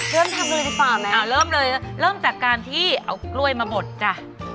เริ่มทำเลยดีกว่าไหมเริ่มเลยเริ่มจากการที่เอากล้วยมาบดจ้ะ